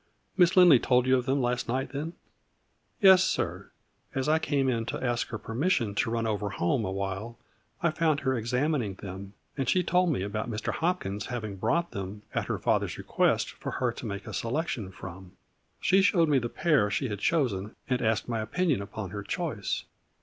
" Miss Lindley told you of them last night, then ?"" Yes, sir, as I came in to ask her per mission to run over home a while I found her examining them, and she told me about Mr. Hopkins having brought them at her father's request for her to make a selection from. She showed me the pair she had chosen and asked my opinion upon her choice."